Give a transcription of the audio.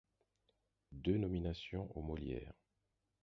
Deux nominations aux Molières.